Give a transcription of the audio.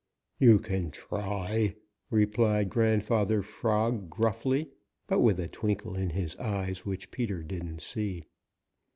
"You can try," replied Grandfather Frog gruffly, but with a twinkle in his eyes which Peter didn't see.